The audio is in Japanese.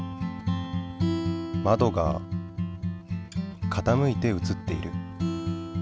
まどが傾いて写っている。